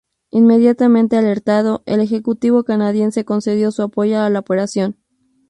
Inmediatamente alertado, el ejecutivo canadiense concedió su apoyo a la operación.